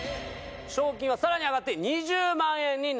賞金はさらに上がって２０万円になります。